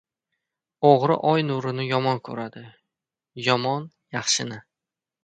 • O‘g‘ri oy nurini yomon ko‘radi, yomon — yaxshini.